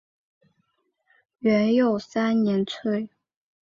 元佑三年卒。